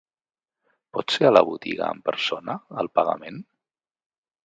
Pot ser a la botiga en persona el pagament?